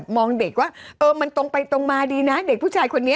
มองเด็กว่ามันตรงไปตรงมาดีนะเด็กผู้ชายคนนี้